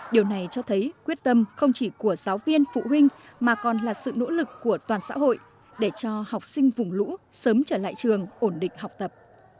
điều này cho thấy quyết tâm không chỉ của giáo viên phụ huynh mà còn là sự nỗ lực của toàn xã hội để cho học sinh vùng lũ sớm trở lại trường ổn định học tập